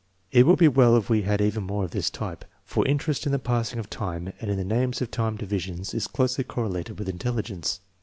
It would be well if we had even more of this type, for interest in the passing of time and in the names of time divisions is closely correlated with intelligence.